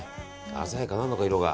鮮やかになるのか、色が。